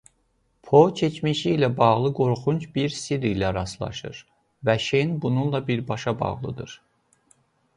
Po keçmişi ilə bağlı qorxunc bir sirr ilə rastlaşır və Şen bununla birbaşa bağlıdır.